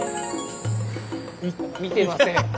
見てません。